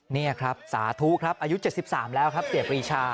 นี่ครับสาธุครับอายุ๗๓แล้วครับเสียปรีชา